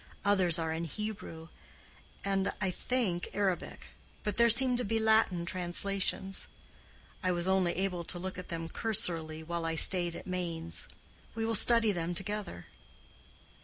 Others are in Hebrew, and, I think, Arabic; but there seem to be Latin translations. I was only able to look at them cursorily while I stayed at Mainz. We will study them together."